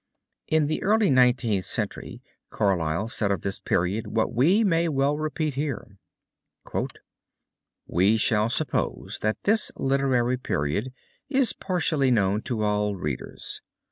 In the early Nineteenth Century Carlyle said of this period what we may well repeat here: "We shall suppose that this Literary Period is partially known to all readers.